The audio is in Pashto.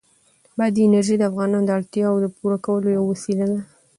بادي انرژي د افغانانو د اړتیاوو د پوره کولو یوه وسیله ده.